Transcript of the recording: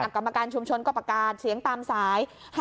กรรมการชุมชนก็ประกาศเสียงตามสาย